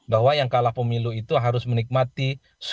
bahwa yang kalah pemilu itu harus menikmati